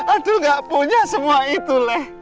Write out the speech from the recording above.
adul gak punya semua itu